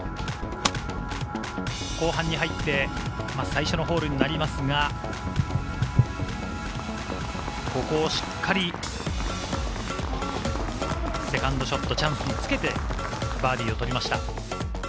後半に入って最初のホールになりますが、ここをしっかりセカンドショット、チャンスにつけてバーディーを取りました。